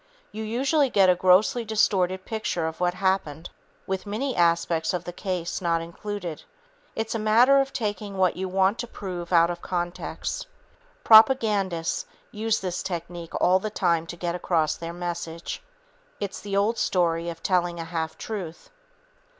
You usually get a grossly distorted picture of what happened, with many aspects of the case not included. It's a matter of taking what you want to prove out of context. Propagandists use this technique all the time to get across their message. It's the old story of telling a half truth.